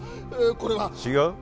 これは違う？